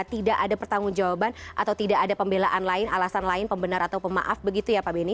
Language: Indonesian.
tidak ada pertanggung jawaban atau tidak ada pembelaan lain alasan lain pembenar atau pemaaf begitu ya pak beni